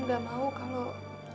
rum gak mau kalo kupingnya abah dipotong